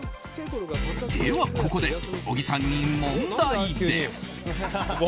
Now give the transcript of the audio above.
ではここで小木さんに問題です。